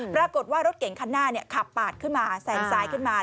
ปรากฏว่ารถเก่งคันหน้าขับปาดขึ้นมาแสงซ้ายขึ้นมา